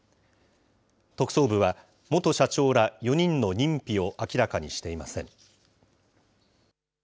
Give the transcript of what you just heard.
特捜部は、元社長ら４人の認否を明らかにしていません。